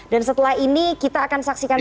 dan setelah ini kita akan saksikan